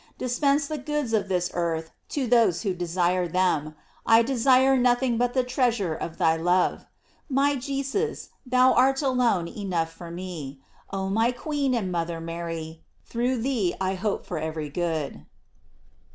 Dispense the goods of this earth to those who desire them; I desire nothing but the treasure of thy love. My Je sus, thou art alone enough for me. Oh my queen and mother Mary, through thee I hope for every good.